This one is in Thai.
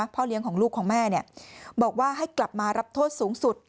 พ่อเลี้ยงของลูกของแม่เนี่ยบอกว่าให้กลับมารับโทษสูงสุด